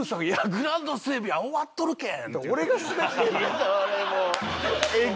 「グラウンド整備は終わっとるけん！」。